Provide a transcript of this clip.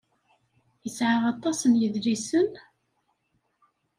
Yesɛa aṭas n yedlisen?